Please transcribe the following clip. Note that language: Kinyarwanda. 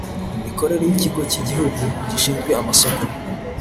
imikorere y ikigo cy igihugu gishinzwe amasoko